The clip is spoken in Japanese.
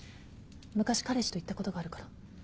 昔彼氏と行ったことがあるから。